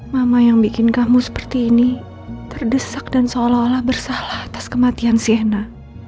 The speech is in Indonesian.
mama yang bikin kamu seperti ini terdesak dan seolah olah bersalah atas kematian siena